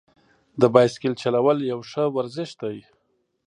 د بایسکل چلول یو ښه ورزش دی.